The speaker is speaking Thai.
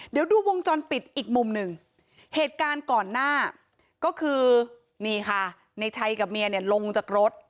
เดี๋ยวดูวงจรปิดอีกมุมหนึ่งเหตุการณ์ก่อนหน้าก็คือนี่ค่ะในชัยกับเมียเนี่ยลงจากรถ